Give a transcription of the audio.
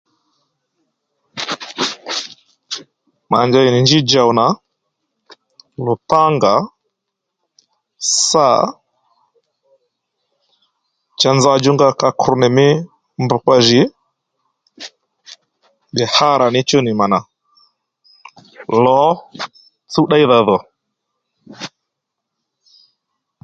Mà njey nì njí djow nà lupanga sâ cha nza djúnga kakru nì mí mbrukpa jì gbè hárà ní chú nì mà nà lǒ tsúw ddéydha dhò